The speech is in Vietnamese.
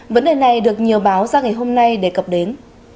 vấn đề này được nhiều báo ra ngày hôm nay đề cập đến